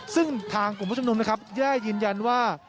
ซึ่งทางกลุ่มผู้ชมนุมนะครับแย่ยืนยันว่า